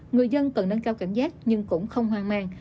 người dân cần nâng cao cảnh giác nhưng cũng không hoang mang